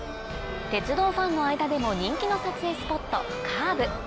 鉄道ファンの間でも人気の撮影スポットカーブ。